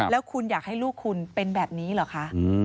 แล้วคุณอยากให้ลูกคุณเป็นแบบนี้เหรอคะ